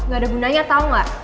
gak ada gunanya tau gak